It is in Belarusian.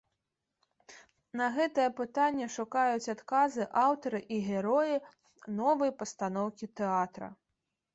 На гэтыя пытанні шукаюць адказы аўтары і героі новай пастаноўкі тэатра.